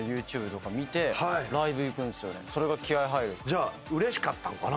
じゃあうれしかったんかな。